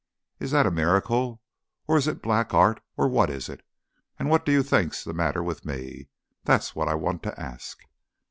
Is that a miracle, or is it black art, or what is it? And what do you think's the matter with me? That's what I want to ask."